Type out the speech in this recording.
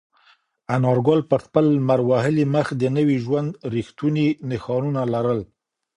انارګل په خپل لمر وهلي مخ د نوي ژوند رښتونې نښانونه لرل.